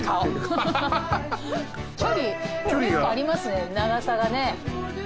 距離ありますね長さがね。